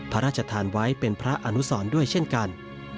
พระราชทานไว้เป็นพระอนุสรด้วยเช่นกัน